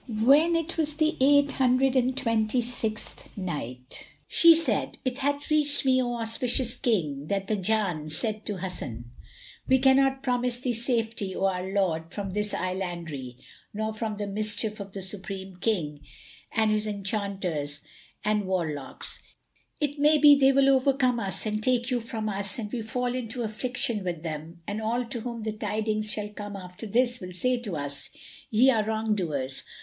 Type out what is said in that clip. When it was the Eight Hundred and Twenty sixth Night, She said, It hath reached me, O auspicious King, that the Jann said to Hasan, "We cannot promise thee safety, O our lord, from this Islandry, nor from the mischief of the Supreme King and his enchanters and warlocks. It may be they will overcome us and take you from us and we fall into affliction with them, and all to whom the tidings shall come after this will say to us: 'Ye are wrong doers!